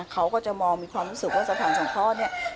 เขาก็จะมองมีความรู้สึกว่าสถานสงเคราะห์เนี่ย